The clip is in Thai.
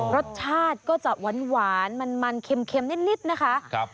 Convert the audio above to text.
รสชาติก็จะหวานมันเค็มนิดนะคะ